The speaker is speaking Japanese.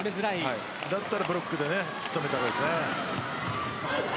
だったらブロックで仕留めたいですね。